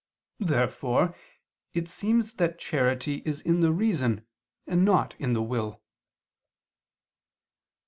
Therefore it seems that charity is in the reason and not in the will.